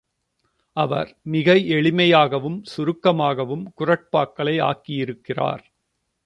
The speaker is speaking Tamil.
அவர் மிக எளிமையாகவும், சுருக்கமாகவும் குறட்பாக்களை ஆக்கியிருக்கிறார்.